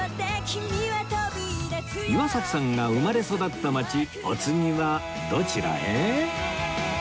岩崎さんが生まれ育った街お次はどちらへ？